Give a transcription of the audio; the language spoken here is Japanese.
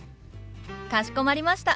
かしこまりました。